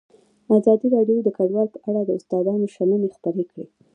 ازادي راډیو د کډوال په اړه د استادانو شننې خپرې کړي.